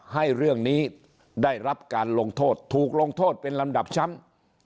ให้เรื่องนี้ได้รับการลงโทษถูกลงโทษเป็นลำดับช้ำ